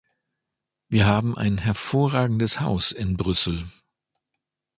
Wir haben ein hervorragendes Haus in Brüssel.